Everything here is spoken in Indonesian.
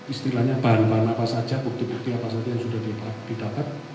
istilahnya bahan bahan apa saja bukti bukti apa saja yang sudah didapat